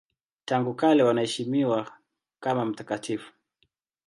Tangu kale wanaheshimiwa kama mtakatifu.